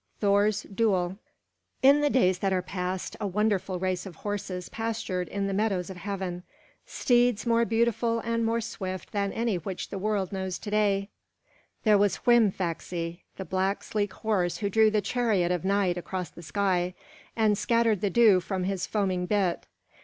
THOR'S DUEL In the days that are past a wonderful race of horses pastured in the meadows of heaven, steeds more beautiful and more swift than any which the world knows to day. There was Hrîmfaxi, the black, sleek horse who drew the chariot of Night across the sky and scattered the dew from his foaming bit.